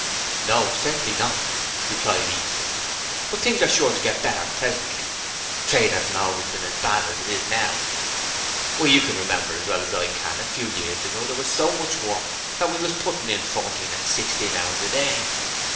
'No; certainly not,' replied Easton; 'but things are sure to get better presently. Trade hasn't always been as bad as it is now. Why, you can remember as well as I can a few years ago there was so much work that we was putting in fourteen and sixteen hours a day.